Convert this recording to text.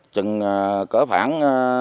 chừng cỡ khoảng